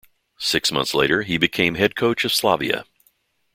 Six months later, he became head coach of Slavia.